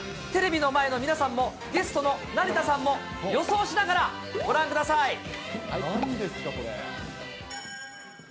テレビの前の皆さんも、ゲストの成田さんも、予想しながらご覧ください。